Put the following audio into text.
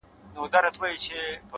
ریښتینی دوست د اړتیا پر وخت څرګندیږي,